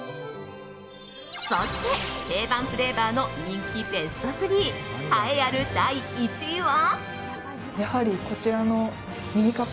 そして、定番フレーバーの人気ベスト３栄えある第１位は。